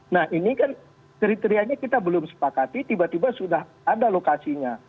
nah ini kan kriterianya kita belum sepakati tiba tiba sudah ada lokasinya